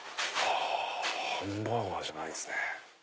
ハンバーガーじゃないんですね。